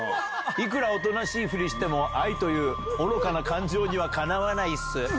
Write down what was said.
いくらおとなしいふりしても、愛という愚かな感情にはかなわないっす。